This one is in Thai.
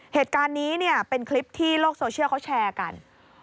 เหตุการณ์นี้เนี่ยเป็นคลิปที่โลกโซเชียลเขาแชร์กัน